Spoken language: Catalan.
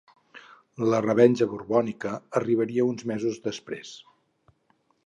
La revenja borbònica arribaria uns mesos després.